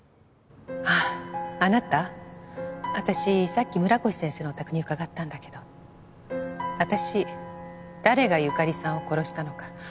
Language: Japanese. あああなた私さっき村越先生のお宅に伺ったんだけど私誰が由佳里さんを殺したのかわかった。